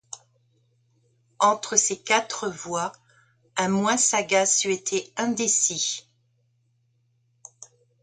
Entre ces quatre voies, un moins sagace eût été indécis.